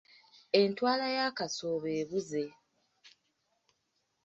Entwala ya Kasooba ebuze.